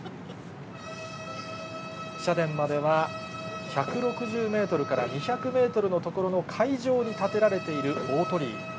社殿までは１６０メートルから２００メートルの所の海上にたてられている大鳥居。